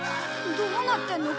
どうなってんの？